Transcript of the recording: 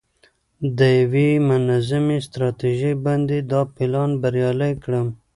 او د یوې منظمې ستراتیژۍ باندې دا پلان بریالی کړم.